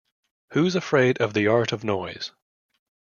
Who's Afraid of the Art of Noise?